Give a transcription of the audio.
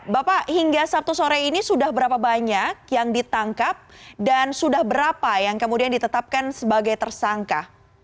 bapak hingga sabtu sore ini sudah berapa banyak yang ditangkap dan sudah berapa yang kemudian ditetapkan sebagai tersangka